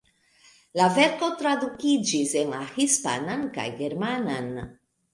La verko tradukiĝis en la hispanan kaj germanan.